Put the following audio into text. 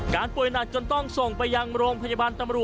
ป่วยหนักจนต้องส่งไปยังโรงพยาบาลตำรวจ